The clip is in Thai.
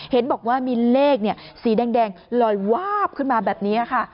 เห็นบอกว่ามีเลขสีแดงลอยวาบขึ้นมาแบบนี้ค่ะ